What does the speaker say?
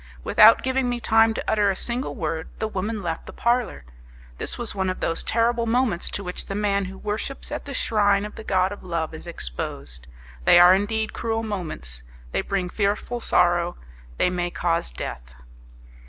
Without giving me time to utter a single word, the woman left the parlour. This was one of those terrible moments to which the man who worships at the shrine of the god of love is exposed! They are indeed cruel moments; they bring fearful sorrow, they may cause death.